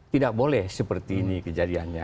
tidak boleh seperti ini kejadiannya